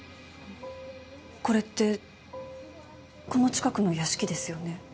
これってこの近くの屋敷ですよね？